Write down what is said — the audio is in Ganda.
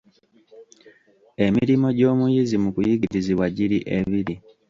Emirimo gy'omuyizi mu Kuyigirizibwa giri ebiri: